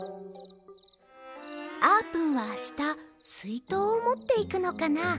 あーぷんはあしたすいとうをもっていくのかな？